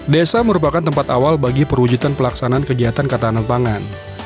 desa merupakan tempat awal bagi perwujudan pelaksanaan kegiatan ketahanan pangan